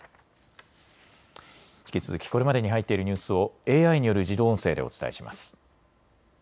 引き続きこれまでに入っているニュースをＡＩによる自動音声でお伝えします。